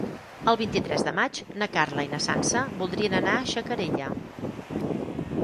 El vint-i-tres de maig na Carla i na Sança voldrien anar a Xacarella.